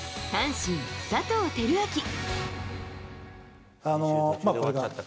阪神、佐藤輝明。